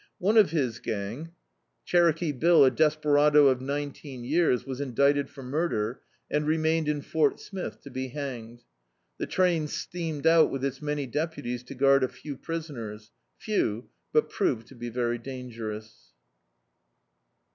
One of his gang, [>45) D,i.,.db, Google The Autobi<^aphy of a Super Tramp Cherokee Bill, a desperado of nineteen years, was indicted for murder, and remained in Fort Smith to be hanged. The train steamed out with its many deputies to guard a few priscmers — few, but proved to be very dangerous.